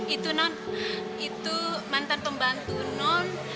itu non itu mantan pembantu non